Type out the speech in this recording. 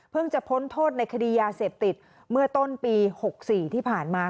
จะพ้นโทษในคดียาเสพติดเมื่อต้นปี๖๔ที่ผ่านมา